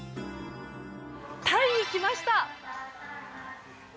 タイに来ました。